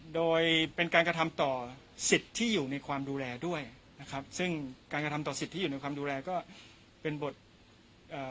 โดยเป็นการกระทำต่อสิทธิ์ที่อยู่ในความดูแลด้วยนะครับซึ่งการกระทำต่อสิทธิ์ที่อยู่ในความดูแลก็เป็นบทเอ่อ